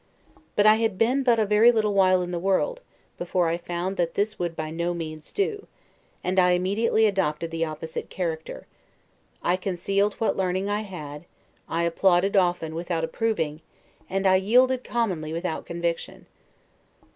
But I had been but a very little while in the world, before I found that this would by no means do; and I immediately adopted the opposite character; I concealed what learning I had; I applauded often, without approving; and I yielded commonly without conviction.